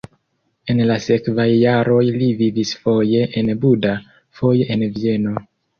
En la sekvaj jaroj li vivis foje en Buda, foje en Vieno.